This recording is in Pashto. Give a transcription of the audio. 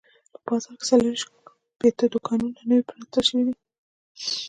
په بازار کې څلور شپېته دوکانونه نوي پرانیستل شوي دي.